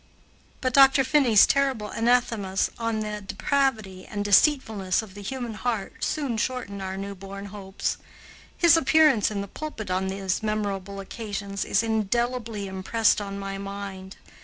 But Dr. Finney's terrible anathemas on the depravity and deceitfulness of the human heart soon shortened our newborn hopes. His appearance in the pulpit on these memorable occasions is indelibly impressed on my mind.